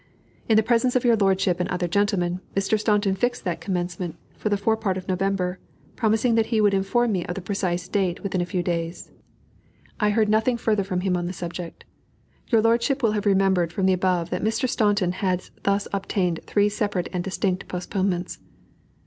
In the presence of your lordship and other gentlemen, Mr. Staunton fixed that commencement for the forepart of November, promising that he would inform me of the precise date within a few days. I heard nothing further from him on the subject. Your lordship will have remarked from the above that Mr. Staunton has thus obtained three separate and distinct postponements.